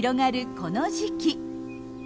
この時期。